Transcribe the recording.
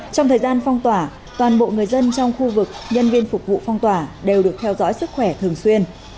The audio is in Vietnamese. trong thời gian phong tỏa toàn bộ người dân trong khu vực nhân viên phục vụ phong tỏa đều được theo dõi sức khỏe thường xuyên